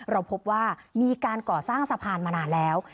เราพบว่ามีการก่อสร้างสะพานมานานแล้ว